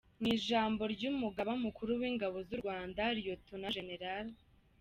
Mu ijambo rye Umugaba Mukuru w’Ingabo z’u Rwanda, Lt Gen.